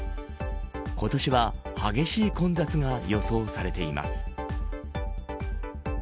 今年は、激しい混雑が予想されています。